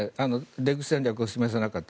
出口戦略を示さなかった。